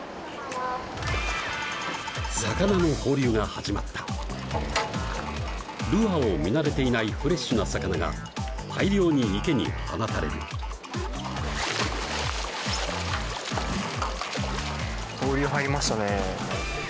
魚の放流が始まったルアーを見慣れていないフレッシュな魚が大量に池に放たれる放流入りましたね